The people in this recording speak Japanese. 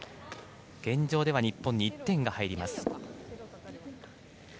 現状では日本に１点が入ります。